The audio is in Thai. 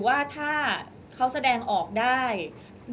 มิวยังมีเจ้าหน้าที่ตำรวจอีกหลายคนที่พร้อมจะให้ความยุติธรรมกับมิว